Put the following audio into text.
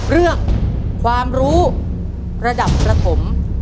เรื่องความรู้ระดับประถม